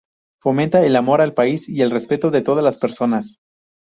Fomenta el amor al país y el respeto de todas las personas.